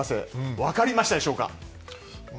分かりましたでしょうか？